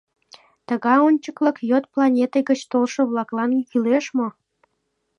Тыгай ончыкылык йот планете гыч толшо-влаклан кӱлеш мо?